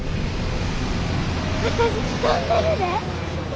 私飛んでるで！